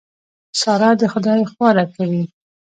ښېرا؛ سار دې خدای خواره کړي!